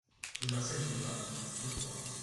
Rue Marcel Thomas, Contoire